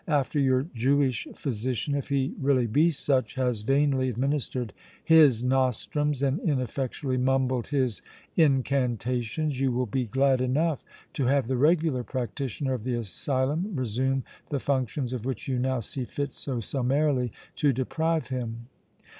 "After your Jewish physician, if he really be such, has vainly administered his nostrums and ineffectually mumbled his incantations, you will be glad enough to have the regular practitioner of the asylum resume the functions of which you now see fit so summarily to deprive him."